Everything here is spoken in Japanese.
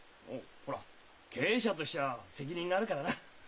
ほら経営者としては責任があるからな。